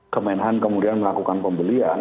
kemenhan kemudian melakukan pembelian